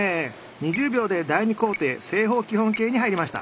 ２０秒で第２工程正方基本形に入りました。